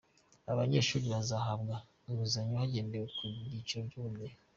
Aba banyeshuri bazahabwa inguzanyo hagendewe ku byiciro by’Ubudehe.